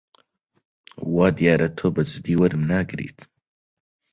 وا دیارە تۆ بە جددی وەرم ناگریت.